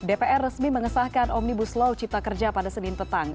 dpr resmi mengesahkan omnibus law cipta kerja pada senin petang